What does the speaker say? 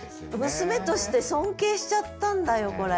娘として尊敬しちゃったんだよこれ。